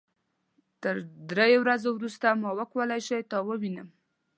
تر دریو ورځو وروسته ما وکولای شو تا ووينم.